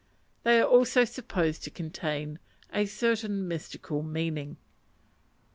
They are also supposed to contain a certain mystical meaning. p.